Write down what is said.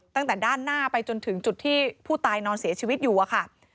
ตั้งแต่ด้านหน้าไปจนถึงจุดที่ผู้ตายนอนเสียชีวิตอยู่อะค่ะ